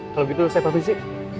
kalau gitu saya pasti